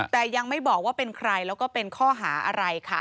แต่ยังไม่บอกว่าเป็นใครแล้วก็เป็นข้อหาอะไรค่ะ